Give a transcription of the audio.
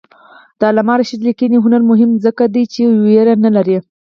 د علامه رشاد لیکنی هنر مهم دی ځکه چې ویره نه لري.